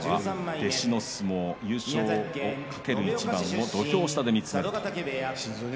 弟子の相撲優勝を懸ける一番を土俵下で見つめます。